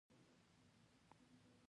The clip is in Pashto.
دلته ودریږه! کوزیږم.